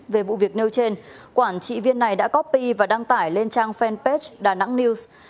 về vụ việc nêu trên quản trị viên này đã copy và đăng tải lên trang fanpage đà nẵng news